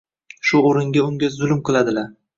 Shu o’rniga unga zulm qiladilar.